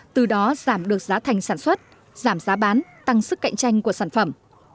từ đó giảm được giá thành sản xuất giảm giá bán tăng sức cạnh tranh của sản phẩm